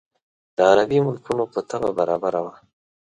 د عربي ملکونو په طبع برابره وه.